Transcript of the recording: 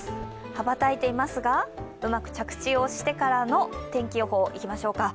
羽ばたいていますが着地をしてからの天気予報、いきましょうか。